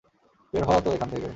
বের হ তো এখান থেকে।